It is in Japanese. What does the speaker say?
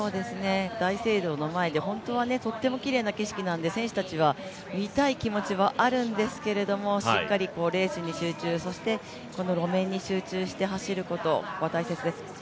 大聖堂の前で本当はとってもきれいな景色なので選手たちは見たい気持ちはあるんですけれども、しっかりレースに集中、そして路面に集中して走ることは大切です。